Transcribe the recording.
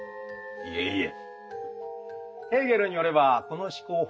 いえいえ！